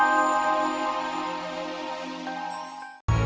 menari yang aja sangat cerdas sebagai narasomo